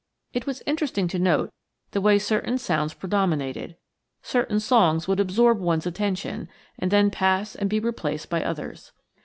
It was interesting to note the way certain sounds predominated; certain songs would absorb one's attention, and then pass and be replaced by others.